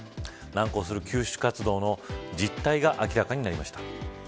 難航する救出活動の実態が明らかになりました。